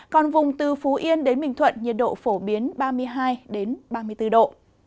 còn vùng từ phú yên đến bình thuận nhiệt độ phổ biến ba mươi hai ba mươi bốn độ